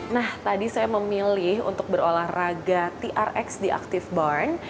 nah tadi saya memilih untuk berolahraga trx di active barn